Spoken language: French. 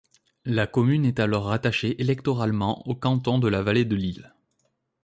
La commune est alors rattachée électoralement au canton de la Vallée de l'Isle.